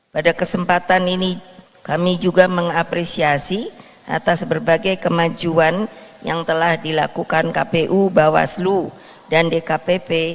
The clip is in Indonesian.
pada kesempatan ini kami juga mengapresiasi atas berbagai kemajuan yang telah dilakukan kpu bawaslu dan dkpp